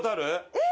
えっ？